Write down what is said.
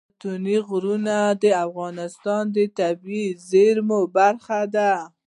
ستوني غرونه د افغانستان د طبیعي زیرمو برخه ده.